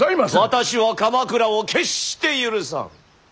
私は鎌倉を決して許さん。